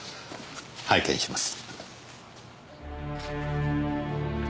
拝見します。